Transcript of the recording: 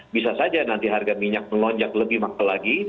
bisa saja nanti harga minyak melonjak lebih mahal lagi